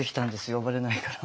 呼ばれないから。